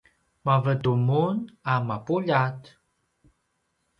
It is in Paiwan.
mavetu mun a mapuljat?